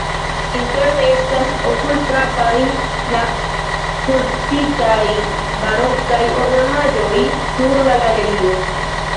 Interne estas okulfrapaj la skulptitaj barokaj ornamaĵoj sur la galerio.